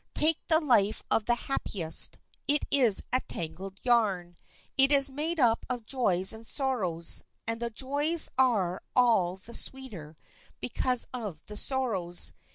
Take the life of the happiest. It is a tangled yarn. It is made up of joys and sorrows, and the joys are all the sweeter because of the sorrows.